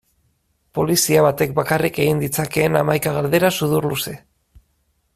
Polizia batek bakarrik egin ditzakeen hamaika galdera sudurluze.